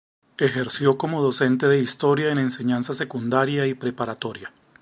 Ejerció como docente de historia en Enseñanza Secundaria y Preparatoria.